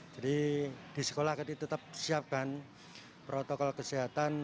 jadi di sekolah kita tetap siapkan protokol kesehatan